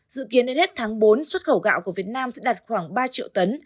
dự kiến đến hết tháng bốn xuất khẩu gạo của việt nam sẽ đạt khoảng ba triệu tấn